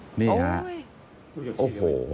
อืมนี่ฮะโอ้โห